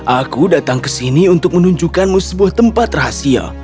aku datang ke sini untuk menunjukkanmu sebuah tempat rahasia